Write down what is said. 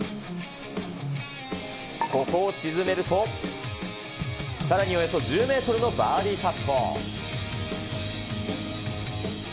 ここを沈めると、さらにおよそ１０メートルのバーディーパット。